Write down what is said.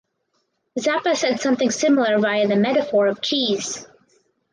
Zappa said something similar via the metaphor of cheese.